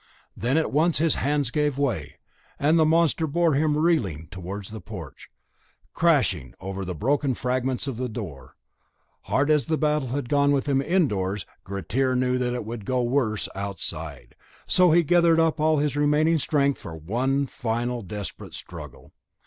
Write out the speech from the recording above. Then at once his hands gave way, and the monster bore him reeling towards the porch, crashing over the broken fragments of the door. Hard as the battle had gone with him indoors, Grettir knew that it would go worse outside, so he gathered up all his remaining strength for one final desperate struggle.